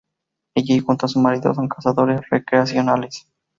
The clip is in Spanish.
Ella y junto a su marido son cazadores recreacionales.